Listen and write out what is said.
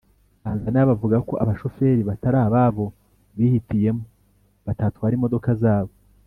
tanzaniya bavuga ko abashoferi batari ababo bihitiyemo batatwara imodoka zabo